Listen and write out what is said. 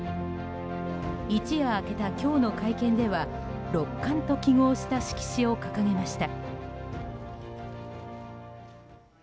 一夜明けた今日の会見では「六冠」と揮毫した色紙を掲げました。